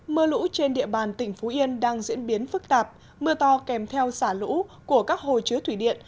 mưa lũ trên địa bàn tỉnh phú yên đang diễn biến phức tạp mưa to kèm theo xả lũ của các hồ chứa thủy điện